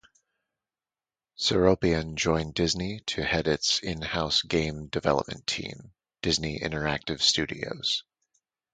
Seropian joined Disney to head its in-house game development team, Disney Interactive Studios.